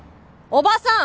おばさん！